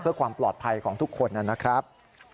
เพื่อความปลอดภัยของทุกคนนะครับ